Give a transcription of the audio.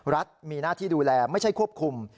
รัฐมีหน้าที่ดูแลไม่ใช่ควบคุม